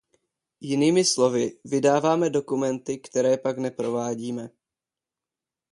Jinými slovy, vydáváme dokumenty, které pak neprovádíme.